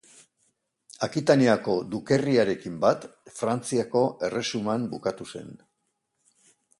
Akitaniako dukerriarekin bat Frantziako erresuman bukatu zen.